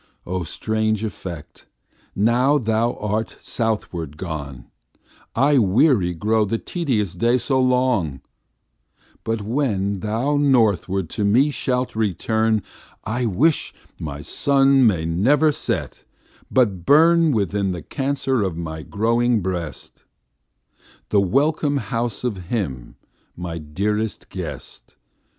O strange effect! now thou art southward gone, I weary grow the tedious day so long; But when thou northward to me shalt return, I wish my Sun may never set, but burn Within the Cancer of my glowing breast, The welcome house of him my dearest guest.